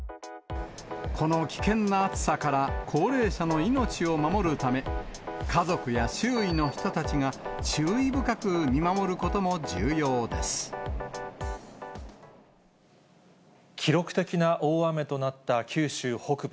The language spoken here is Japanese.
この危険な暑さから高齢者の命を守るため、家族や周囲の人たちが、注意深く見守ることも重要記録的な大雨となった九州北部。